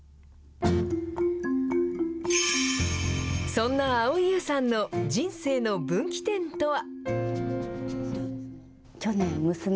そんな蒼井優さんの人生の分岐点とは。